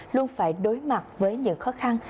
luôn phải đối mặt với những khó khăn